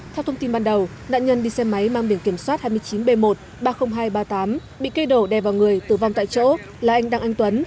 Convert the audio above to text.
theo thông tin ban đầu nạn nhân đi xe máy mang biển kiểm soát hai mươi chín b một ba mươi nghìn hai trăm ba mươi tám bị cây đổ đè vào người tử vong tại chỗ là anh đăng anh tuấn